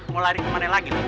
mau lari kemana lagi